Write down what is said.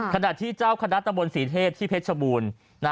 ขณะที่เจ้าคณะตำบลศรีเทพที่เพชรชบูรณ์